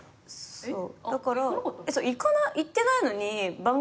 そう。